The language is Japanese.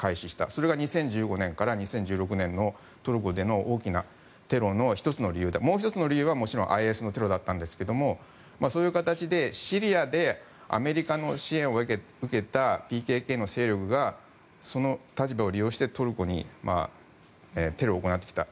それが２０１５年から２０１６年のトルコでの大きなテロの１つの理由でもう１つの理由はもちろんＩＳのテロだったんですけどもそういう形でシリアでアメリカの支援を受けたＰＫＫの勢力がその立場を利用してトルコにテロを行ってきた。